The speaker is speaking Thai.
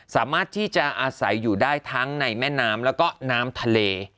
สามารถที่จะอาศัยอยู่ได้ทั้งในแม่น้ำแล้วก็น้ำทะเล